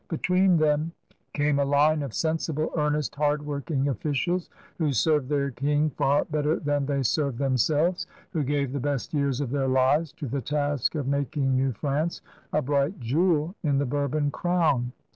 Between them came a line of sensible, earnest, hard working officials who served their King far better than they served themselves, who gave the best years of their lives to the task of making New France a bright jewel in the Bourbon crown.